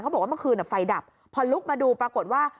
บอกว่าเมื่อคืนไฟดับพอลุกมาดูปรากฏว่า